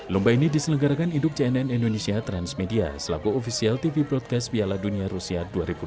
lomba ini diselenggarakan induk cnn indonesia transmedia selaku ofisial tv broadcast piala dunia rusia dua ribu dua puluh